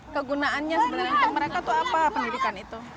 kegunaannya sebenarnya untuk mereka itu apa pendidikan itu